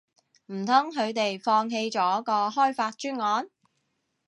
唔通佢哋放棄咗個開發專案